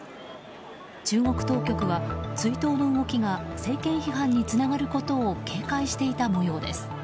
中国当局は追悼の動きが政権批判につながることを警戒していた模様です。